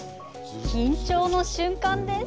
緊張の瞬間です。